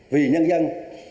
vì nhân dân